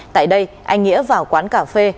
tại đây anh nghĩa vào quán cà phê